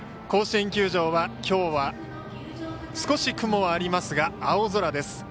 甲子園球場はきょうは少し雲はありますが青空です。